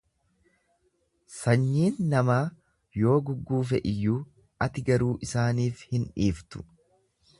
Sanyiin namaa yoo gugguufe iyyuu, ati garuu isaaniif hin dhiiftu!